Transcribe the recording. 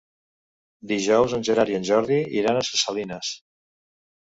Dijous en Gerard i en Jordi iran a Ses Salines.